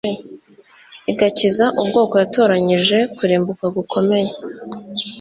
igakiza ubwoko yatoranyije kurimbuka gukomeye